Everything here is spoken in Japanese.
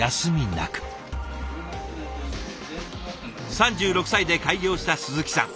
３６歳で開業した鈴木さん。